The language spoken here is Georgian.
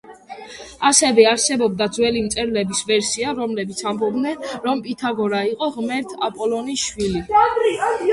ასევე არსებობდა ძველი მწერლების ვერსია, რომლებიც ამბობდნენ, რომ პითაგორა იყო ღმერთ აპოლონის შვილი.